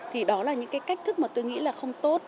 thì đó là những cái cách thức mà tôi nghĩ là không tốt